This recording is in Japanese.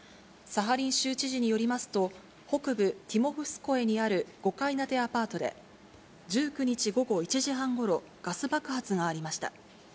サハリン州知事によりますと、北部ティモフスコエにある５階建てアパートで、１９日午後１時半ごろ、ガス爆発がありました。